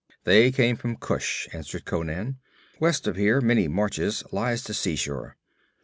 'They came from Kush,' answered Conan. 'West of here, many marches, lies the seashore.